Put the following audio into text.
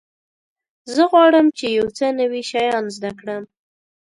زه غواړم چې یو څه نوي شیان زده کړم.